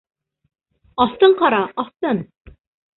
Аҫтын ҡара, аҫтын!